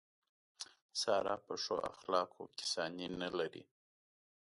ساره په ښو اخلاقو کې ثاني نه لري.